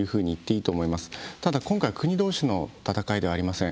ただ今回国同士の戦いではありません。